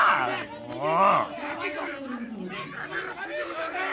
もう